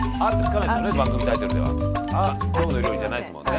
きょうの料理」じゃないですもんね。